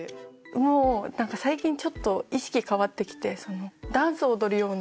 もう最近ちょっと意識変わってきて。